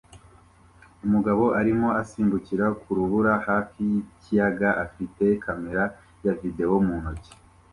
Umugabo arimo asimbukira ku rubura hafi yikiyaga afite kamera ya videwo mu ntoki